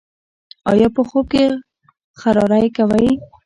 ایا په خوب کې خراری کوئ؟